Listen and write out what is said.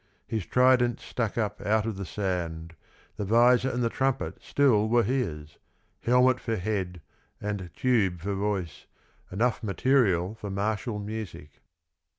His trident stuck up out of the sand, the visor and the trumpet still were his : helmet for head, and tube for voice, enough material for martial music.